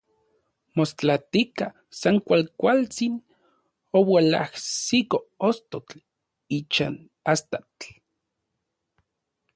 Mostlatika, san kualkantsin oualajsiko ostotl ichan astatl.